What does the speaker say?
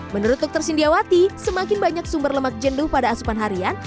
menurut dokter sindiawati semakin banyak sumber lemak jenduh pada asupan harian